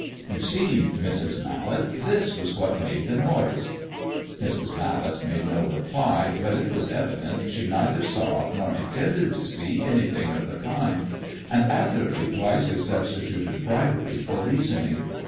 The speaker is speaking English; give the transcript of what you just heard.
"You see, Mrs. Mallet, this was what made the noise." Mrs. Mallet made no reply, but it was evident she neither saw nor intended to see anything of the kind; and Atherley wisely substituted bribery for reasoning.